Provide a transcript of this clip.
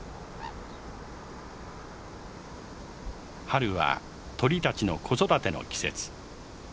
春は鳥たちの子育ての季節。